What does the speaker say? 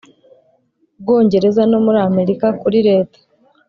Bwongereza no muri Amerika Kuri Leta